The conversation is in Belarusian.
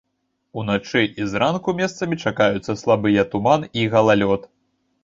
Уначы і зранку месцамі чакаюцца слабыя туман і галалёд.